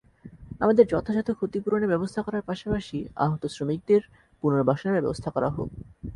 আমাদের যথাযথ ক্ষতিপূরণের ব্যবস্থা করার পাশাপাশি আহত শ্রমিকদের পুনর্বাসনের ব্যবস্থা করা হোক।